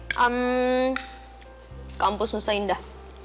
ehm kampus nusa indah